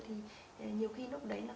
thì nhiều khi lúc đấy là không được